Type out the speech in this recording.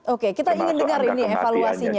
oke kita ingin dengar ini evaluasinya